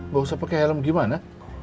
gak usah pakai helm gimana